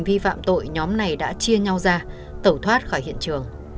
tình vi phạm tội nhóm này đã chia nhau ra tẩu thoát khỏi hiện trường